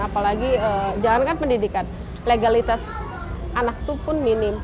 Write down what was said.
apalagi jangankan pendidikan legalitas anak itu pun minim